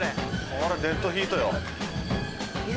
これデッドヒートよ。